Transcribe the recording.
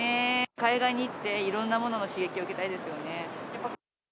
海外に行って、いろんなものの刺激を受けたいですよね。